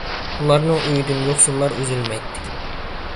ئۇلارنىڭ ئۆيىدىن يوقسۇللار ئۈزۈلمەيتتى.